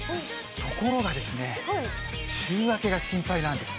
ところがですね、週明けが心配なんです。